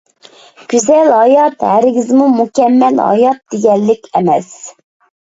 گۈزەل ھايات ھەرگىزمۇ مۇكەممەل ھايات دېگەنلىك ئەمەس.